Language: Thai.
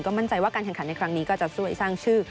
มั่นใจว่าการแข่งขันในครั้งนี้ก็จะช่วยสร้างชื่อ